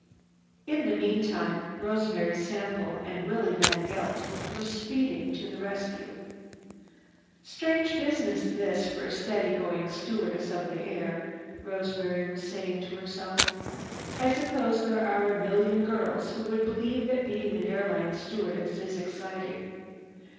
In the meantime Rosemary Sample and Willie VanGeldt were speeding to the rescue. "Strange business this for a steady going stewardess of the air," Rosemary was saying to herself. "I suppose there are a million girls who believe that being an airplane stewardess is exciting.